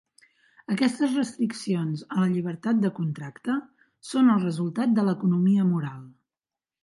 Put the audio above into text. Aquestes restriccions a la llibertat de contracte són el resultat de l'economia moral.